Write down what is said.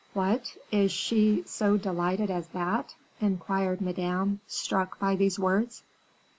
"What, is she so delighted as that?" inquired madame, struck by these words.